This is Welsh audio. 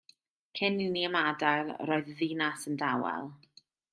Cyn i ni ymadael yr oedd y ddinas yn dawel.